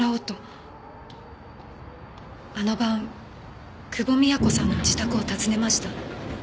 あの晩久保美也子さんの自宅を訪ねました。